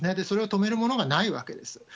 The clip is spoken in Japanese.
それを止めるものがないわけです。